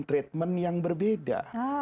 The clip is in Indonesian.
treatment yang berbeda